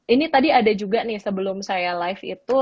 ini tadi ada juga nih sebelum saya live itu